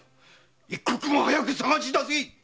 一刻も早く捜し出せ！